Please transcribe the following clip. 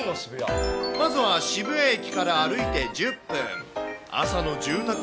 まずは渋谷駅から歩いて１０分。